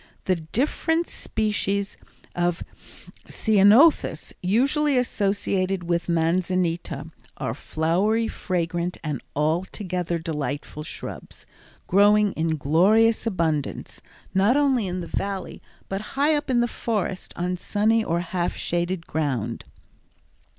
The different species of ceanothus usually associated with manzanita are flowery fragrant and altogether delightful shrubs, growing in glorious abundance, not only in the Valley, but high up in the forest on sunny or half shaded ground.